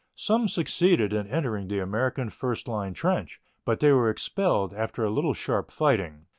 Some succeeded in entering the American first line trench, but they were expelled after a little sharp fighting.